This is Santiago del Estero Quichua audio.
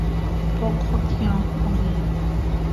poqo tiyan qomer